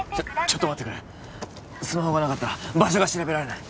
ちょっと待ってくれスマホがなかったら場所が調べられない